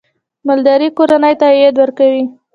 مالداري کورنۍ ته عاید ورکوي.